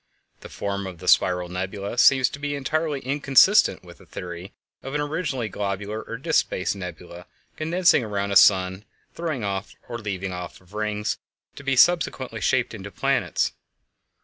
The form of the spiral nebulæ seems to be entirely inconsistent with the theory of an originally globular or disk shaped nebula condensing around a sun and throwing or leaving off rings, to be subsequently shaped into planets.